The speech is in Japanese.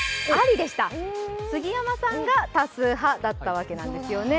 杉山さんが多数派だったわけなんですね。